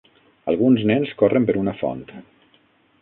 Alguns nens corren per una font.